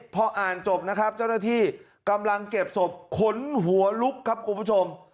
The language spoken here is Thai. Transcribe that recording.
พออ่านจบนะครับเจ้าหน้าที่กำลังเก็บศพขนหัวลุกครับคุณผู้ชม